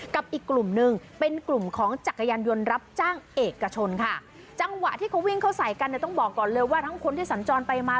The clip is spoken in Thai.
กับอีกกลุ่มหนึ่งเป็นกลุ่มของจักรยานยนต์รับจ้างเอกชนค่ะจังหวะที่เขาวิ่งเข้าใส่กันเนี่ยต้องบอกก่อนเลยว่าทั้งคนที่สัญจรไปมา